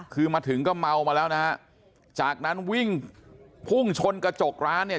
คือมาถึงก็เมามาแล้วนะฮะจากนั้นวิ่งพุ่งชนกระจกร้านเนี่ย